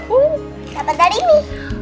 dapat dari ini